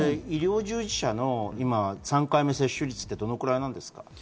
医療従事者の３回目の接種率はどのくらいなんですか？